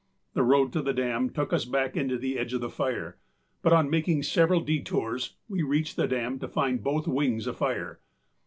The road to the dam took us back into the edge of the fire, but on making several detours we reached the dam to find both wings afire.